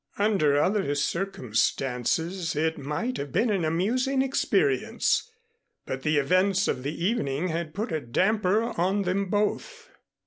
Under other circumstances it might have been an amusing experience, but the events of the evening had put a damper on them both.